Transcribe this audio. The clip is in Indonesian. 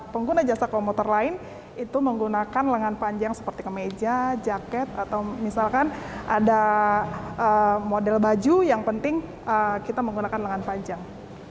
pengguna jasa komuter lain itu menggunakan lengan panjang seperti kemeja jaket atau misalkan ada model baju yang penting kita menggunakan lengan panjang